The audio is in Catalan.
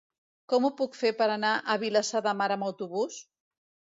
Com ho puc fer per anar a Vilassar de Mar amb autobús?